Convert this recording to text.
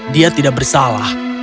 dia tidak bersalah